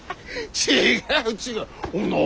違う違う。